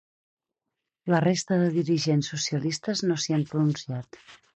La resta de dirigents socialistes no s’hi han pronunciat.